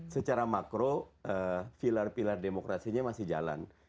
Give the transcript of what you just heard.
secara makro pilar pilar demokrasinya masih jalan